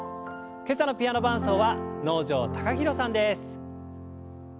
今朝のピアノ伴奏は能條貴大さんです。